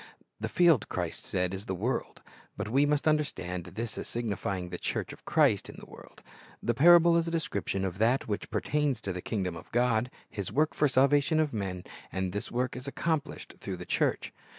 "The field," Christ said, "is the world." But we must understand this as signifying the church of Christ in the world. The parable is a description of that which pertains to the kingdom of God, His work for the salvation of men, and this work is accomplished through the church.